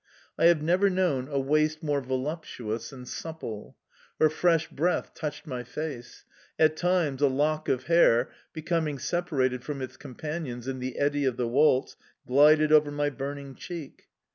I have never known a waist more voluptuous and supple! Her fresh breath touched my face; at times a lock of hair, becoming separated from its companions in the eddy of the waltz, glided over my burning cheek...